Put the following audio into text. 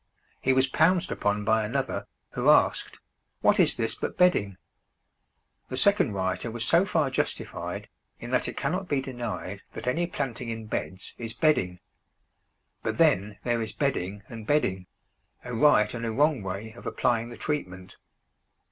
He was pounced upon by another, who asked, "What is this but bedding?" The second writer was so far justified, in that it cannot be denied that any planting in beds is bedding. But then there is bedding and bedding a right and a wrong way of applying the treatment.